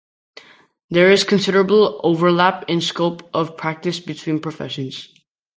There is considerable overlap in scope of practice between professions.